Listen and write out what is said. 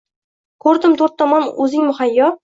Ko‘rdim – to‘rt tomonda o‘zing muhayyo